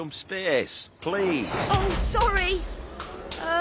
あ。